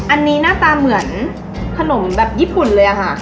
อันนี้หน้าตาเหมือนขนมแบบญี่ปุ่นเลยอะค่ะ